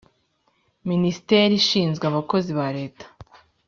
minisiteri ishinzwe abakozi ba leta